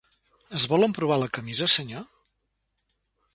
Es vol emprovar la camisa, senyor?